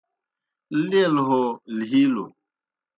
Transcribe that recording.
لیل ہو لِھیلوْ